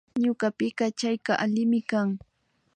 Ñukapika chayka allimi kan